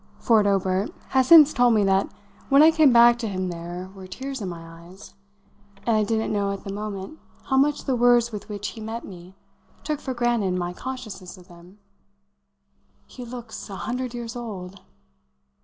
Ford Obert has since told me that when I came back to him there were tears in my eyes, and I didn't know at the moment how much the words with which he met me took for granted my consciousness of them. "He looks a hundred years old!"